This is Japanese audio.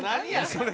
それ」